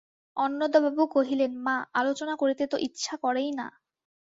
অন্নদাবাবু কহিলেন, মা, আলোচনা করিতে তো ইচ্ছা করেই না।